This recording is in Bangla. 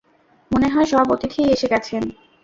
মনে হয় সব অতিথিই এসে গেছেন।